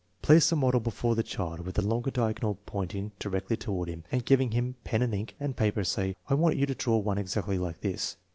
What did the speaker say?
Place the model before the child with the longer diagonal pointing directly toward him, and giving him pen and ink and paper, say: " I want you to draw one exactly like this."